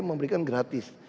dan memberikan gratis